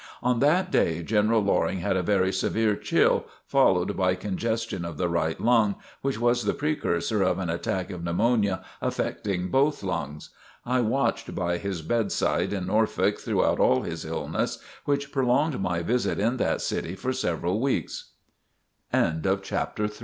On that day General Loring had a very severe chill followed by congestion of the right lung, which was the precursor of an attack of pneumonia affecting both lungs. I watched by his bedside in Norfolk through all his illness, which prolonged my visit in that city for several weeks. CHAPTER IV PERSONAL NARRATIVE NORFOLK At Nor